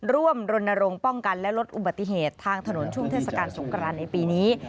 รณรงค์ป้องกันและลดอุบัติเหตุทางถนนช่วงเทศกาลสงครานในปีนี้